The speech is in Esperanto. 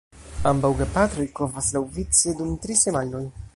Ambaŭ gepatroj kovas laŭvice dum tri semajnoj.